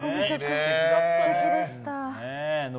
やっぱりこの曲、すてきでした。